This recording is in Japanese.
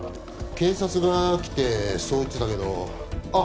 警察が来てそう言ってたけどあっ